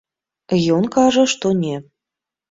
Ён кажа, што не.